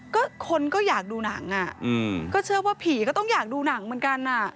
ก็คนก็อยากดูหนังอ่ะอืมก็เชื่อว่าผีก็ต้องอยากดูหนังเหมือนกันอ่ะ